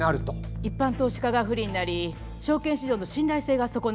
一般投資家が不利になり証券市場の信頼性が損なわれますので。